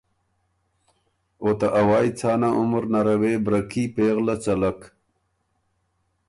او ته اوایٛ څانه عمر نره وې بره کي پېغله څلک۔